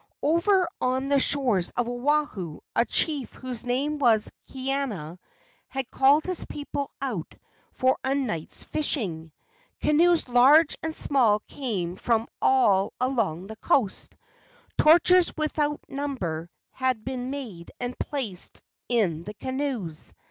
Over on the shores of Oahu a chief whose name was Kaena had called his people out for a night's fishing. Canoes large and small came from all along the coast. Torches without num¬ ber had been made and placed in the canoes.